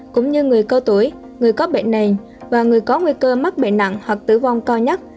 cũng như người cao tuổi người có bệnh nền và người có nguy cơ mắc bệnh nặng hoặc tử vong cao nhất